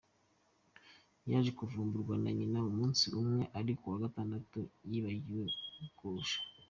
Yaje kuvumburwa na nyina umunsi umwe ari kuwa gatandatu yibagiwe kogosha.